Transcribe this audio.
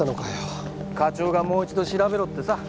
課長がもう一度調べろってさ。